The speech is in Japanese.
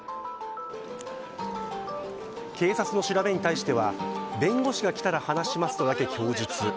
警察の調べに対しては弁護士が来たら話しますとだけ供述。